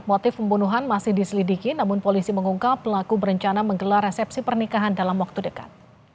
motif pembunuhan masih diselidiki namun polisi mengungkap pelaku berencana menggelar resepsi pernikahan dalam waktu dekat